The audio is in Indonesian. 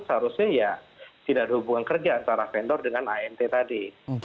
seharusnya ya tidak ada hubungan kerja antara vendor dengan amt tadi